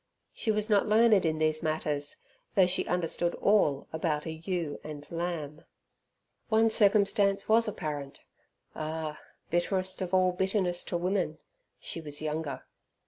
She was not learned in these matters, though she understood all about an ewe and lamb. One circumstance was apparent ah! bitterest of all bitterness to women she was younger.